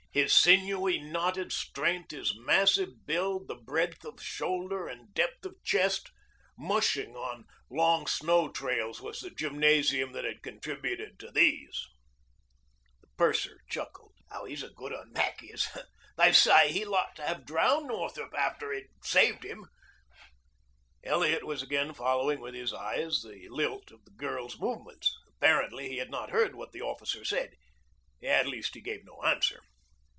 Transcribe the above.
His sinewy, knotted strength, his massive build, the breadth of shoulder and depth of chest mushing on long snow trails was the gymnasium that had contributed to these. The purser chuckled. "He's a good un, Mac is. They say he liked to have drowned Northrup after he had saved him." Elliot was again following with his eyes the lilt of the girl's movements. Apparently he had not heard what the officer said. At least he gave no answer.